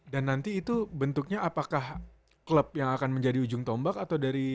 dan nanti itu bentuknya apakah klub yang akan menjadi ujung tombak atau dari